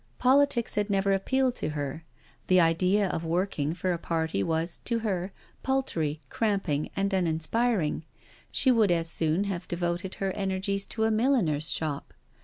Politics had never appealed to her. The idea of working for a party was, to her, paltry, cramping, and uninspiring— she would as soon have devoted her energies to a milliner's shop.